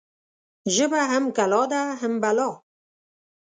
ژبه هم کلا ده هم بلا.